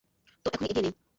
তো এখনই এগিয়ে নেই।